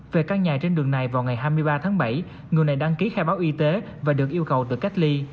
về căn nhà trên đường này vào ngày hai mươi ba tháng bảy người này đăng ký khai báo y tế và được yêu cầu tự cách ly